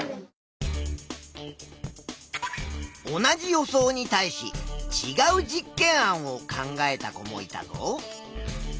同じ予想に対しちがう実験案を考えた子もいたぞ。